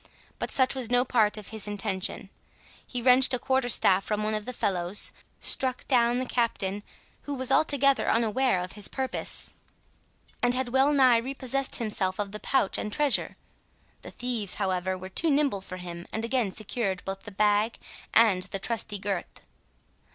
But such was no part of his intention. He wrenched a quarter staff from one of the fellows, struck down the Captain, who was altogether unaware of his purpose, and had well nigh repossessed himself of the pouch and treasure. The thieves, however, were too nimble for him, and again secured both the bag and the trusty Gurth.